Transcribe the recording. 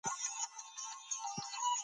طبیعي منابع د خلکو د ژوند د ښه والي سبب کېږي.